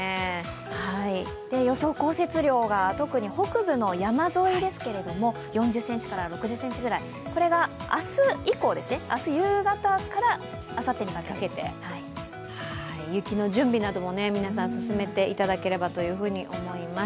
予想降雪量が特に北部の山沿いですけれども、４０ｃｍから６０ｃｍぐらい明日夕方から雪の準備なども皆さん進めていただければと思います。